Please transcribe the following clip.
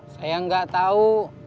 saya gak tau